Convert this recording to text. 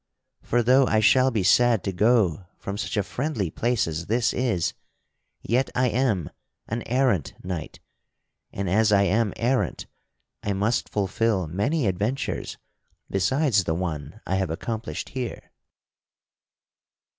For, though I shall be sad to go from such a friendly place as this is, yet I am an errant knight, and as I am errant I must fulfil many adventures besides the one I have accomplished here."